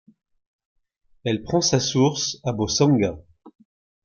Elle prend sa source à Bosanga.